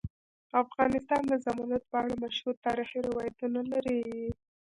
افغانستان د زمرد په اړه مشهور تاریخی روایتونه لري.